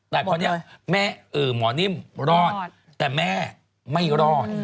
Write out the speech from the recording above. แต่พอเนี่ยหมอนิ่มรอดแต่แม่ไม่รอด